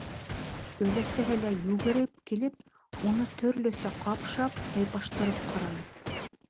Өләсәһе лә, йүгереп килеп, уны төрлөсә ҡапшап, һыйпаштырып ҡараны.